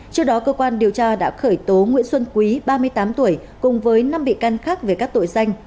trước đó cơ quan điều tra đã khởi tố nguyễn xuân quý ba mươi tám tuổi cùng với năm bị can khác về các tội danh